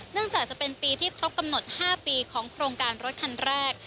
จากจะเป็นปีที่ครบกำหนด๕ปีของโครงการรถคันแรก